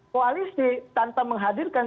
koalisi tanpa menghadirkan